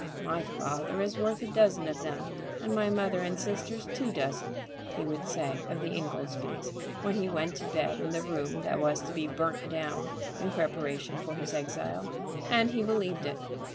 "My father is worth a dozen of them, and my mother and sisters two dozen," he would say of the Ingoldsbys when he went to bed in the room that was to be burnt down in preparation for his exile. And he believed it.